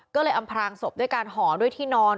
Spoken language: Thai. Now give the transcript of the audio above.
ก็เลยอำพรางศพด้วยการห่อด้วยที่นอน